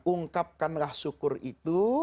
ungkapkanlah syukur itu